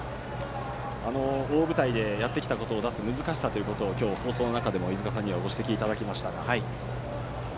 大舞台でやってきたことを出す難しさを今日、飯塚さんにもご指摘いただきましたが。